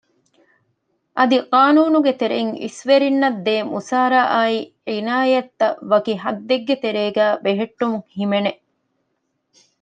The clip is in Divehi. އަދި ޤާނޫނުގެ ތެރެއިން އިސްވެރިންނަށްދޭ މުސާރަ އާއި ޢިނާޔަތްތައް ވަކި ޙައްދެއްގެ ތެރޭގައި ބެހެއްޓުން ހިމެނެ